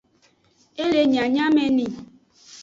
E le nyanyameni.